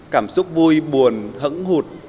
cảm xúc vui buồn hững hụt